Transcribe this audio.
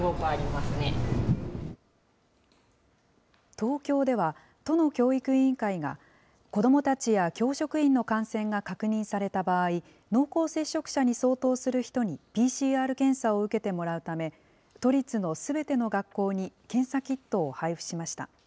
東京では、都の教育委員会が、子どもたちや教職員の感染が確認された場合、濃厚接触者に相当する人にＰＣＲ検査を受けてもらうため、都立のすべての学校に検査キットを配布しました。